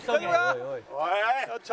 おいおい。